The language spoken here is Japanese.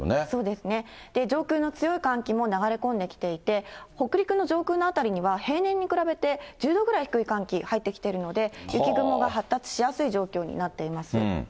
そうですよね、上空の強い寒気も流れ込んできていて、北陸の上空の辺りには平年に比べて１０度くらい低い寒気入ってきているので、雪雲が発達しやすい状況になっています。